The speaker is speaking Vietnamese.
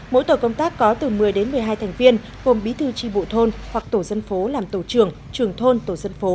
mỗi tổ công tác có từ một mươi đến một mươi hai thành viên gồm bí thư tri bộ thôn hoặc tổ dân phố làm tổ trưởng trường thôn tổ dân phố